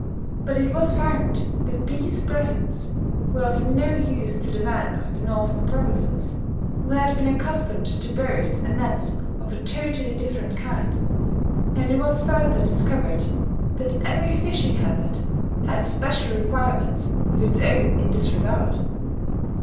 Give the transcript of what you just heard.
But it was found that these presents were of no use to the men of the northern provinces, who had been accustomed to boats and nets of a totally different kind; and it was further discovered that every fishing hamlet had special requirements of its own in this regard....